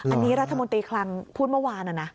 อันนี้รัฐมนตรีคลังพูดเมื่อวานนะ